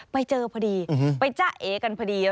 ไปเจอพอดีไปจ้าเอกันพอดี